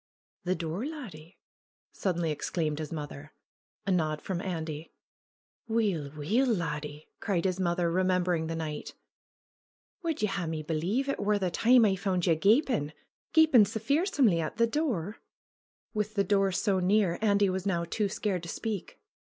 "The door, laddie!" suddenly exclaimed his mother. A nod from Andy. "Weel, weel, laddie !" cried his mother, remembering the night. "Wad ye hae me believe it war the time I found ye gapin', gapin' sae fearsomely at the door?" ANDY'S VISION 39 With the door so near, Andy was now too scared to speak.